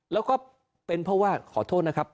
แล้วก็เป็นเพราะว่าขอโทษนะครับ